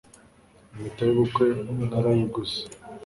impeta y' ubukwe narayiguze